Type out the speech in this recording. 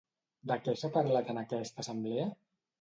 De què s'ha parlat en aquesta assemblea?